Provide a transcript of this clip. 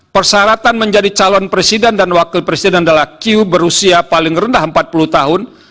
persyaratan menjadi calon presiden dan wakil presiden adalah q berusia paling rendah empat puluh tahun